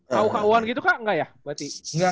kau kauan gitu kak nggak ya berarti